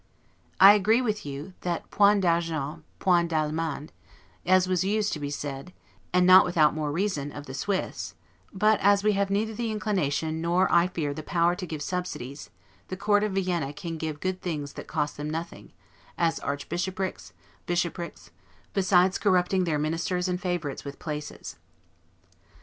I agree with you, that 'point d'argent, point d'Allemand', as was used to be said, and not without more reason, of the Swiss; but, as we have neither the inclination nor I fear the power to give subsidies, the Court of Vienna can give good things that cost them nothing, as archbishoprics, bishoprics, besides corrupting their ministers and favorite with places.